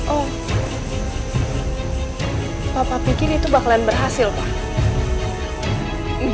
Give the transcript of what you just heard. oh papa pikir itu bakalan berhasil pak